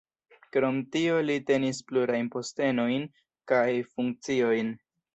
Krom tio li tenis plurajn postenojn kaj funkciojn.